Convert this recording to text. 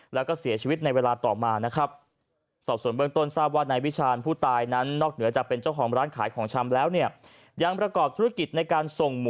และเสียชีวิตในเวลาต่อมา